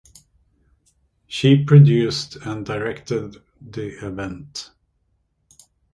She produced and directed the event.